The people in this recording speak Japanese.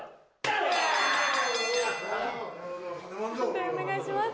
判定お願いします。